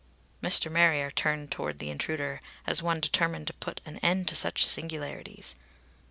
Mr. Marrier turned toward the intruder, as one determined to put an end to such singularities.